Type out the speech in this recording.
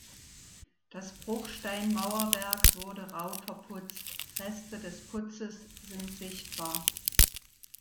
Das Bruchsteinmauerwerk wurde rau verputzt, Reste des Putzes sind sichtbar.